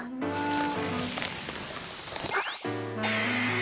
あっ。